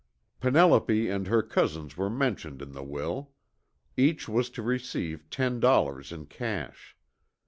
Penelope and her cousins were mentioned in the will. Each was to receive ten dollars in cash.